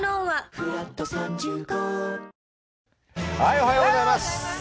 おはようございます。